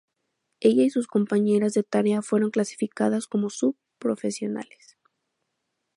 Ella y sus compañeras de tarea fueron clasificadas como "sub-profesionales".